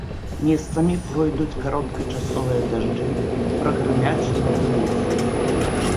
Месцамі пройдуць кароткачасовыя дажджы, прагрымяць навальніцы.